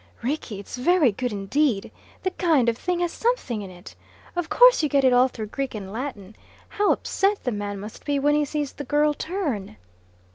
"Rickie, it's very good indeed. The kind of thing has something in it. Of course you get it all through Greek and Latin. How upset the man must be when he sees the girl turn."